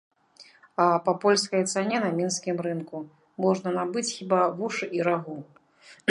А па польскай цане на мінскім рынку можна набыць хіба вушы і рагу.